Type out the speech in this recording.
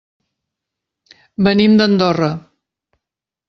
Venim d'Andorra.